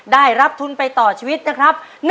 ได้รับทุนไปต่อชีวิตนะครับ